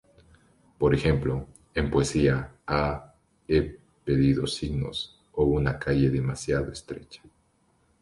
Por ejemplo, en poesía Ah, he pedido signos o una calle demasiado estrecha.